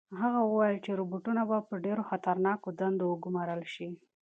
هغه وویل چې روبوټونه به په ډېرو خطرناکو دندو کې وګمارل شي.